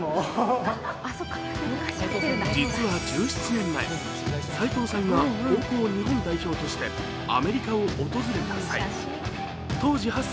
実は１７年前、斎藤さんが高校日本代表として出会っていました。